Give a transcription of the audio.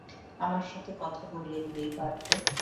আমার সাথে কথা বলিয়ে দিলেই পারতে।